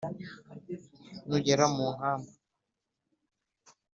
nugera mu nkamba,